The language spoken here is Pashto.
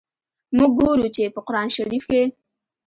موږ ګورو چي، په قرآن شریف کي.